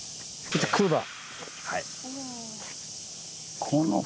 はい。